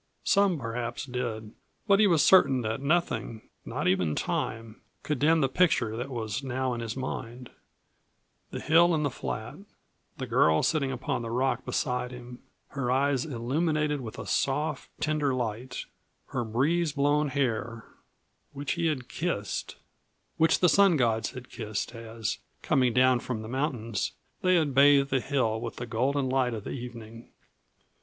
Some perhaps did, but he was certain that nothing not even time could dim the picture that was now in his mind: the hill in the flat, the girl sitting upon the rock beside him, her eyes illuminated with a soft, tender light; her breeze blown hair which he had kissed; which the Sun Gods had kissed as, coming down from the mountains, they had bathed the hill with the golden light of the evening.